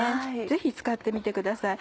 ぜひ使ってみてください。